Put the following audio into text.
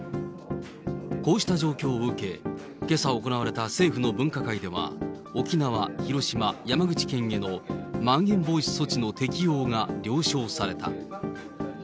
こうした状況を受け、けさ行われた政府の分科会では沖縄、広島、山口県へのまん延防止措置の適用が了承された。